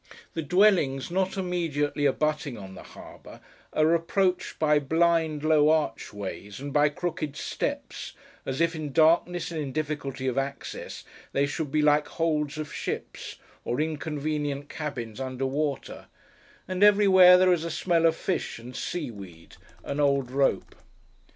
The dwellings not immediately abutting on the harbour are approached by blind low archways, and by crooked steps, as if in darkness and in difficulty of access they should be like holds of ships, or inconvenient cabins under water; and everywhere, there is a smell of fish, and sea weed, and old rope.